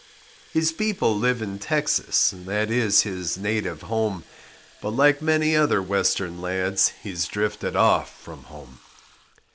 His people live in Texas, That is his native home, But like many other Western lads He drifted off from home.